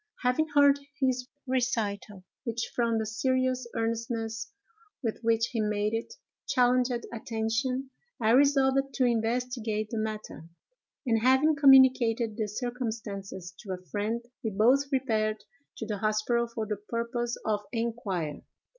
Having heard his recital, which, from the serious earnestness with which he made it, challenged attention, I resolved to investigate the matter; and, having communicated the circumstances to a friend, we both repaired to the hospital for the purpose of inquiry.